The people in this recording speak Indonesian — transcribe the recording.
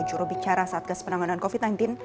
jurubicara satgas penanganan covid sembilan belas